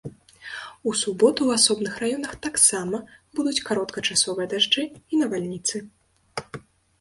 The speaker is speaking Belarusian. У суботу ў асобных раёнах таксама будуць кароткачасовыя дажджы і навальніцы.